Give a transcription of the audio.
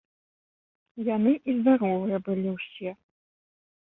Яны і здаровыя былі ўсе.